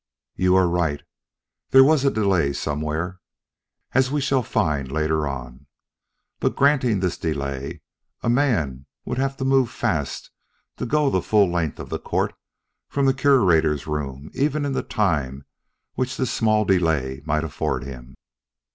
"You are right. There was a delay somewhere, as we shall find later on. But granting this delay, a man would have to move fast to go the full length of the court from the Curator's room even in the time which this small delay might afford him.